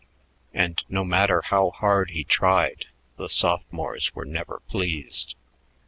And no matter how hard he tried, the sophomores were never pleased.